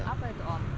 apa itu om